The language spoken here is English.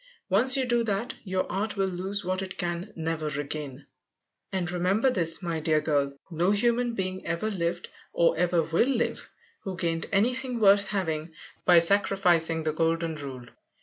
Once you do that, your art will lose what it can never regain. And remember this, my dear girl, no human being ever lived or ever will live who gained anything worth having _by sacrificing the golden rule.